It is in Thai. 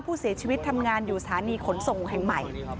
ผู้เสียชีวิตทำงานอยู่สถานีขนส่งแห่งใหม่